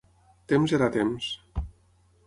Temps era temps.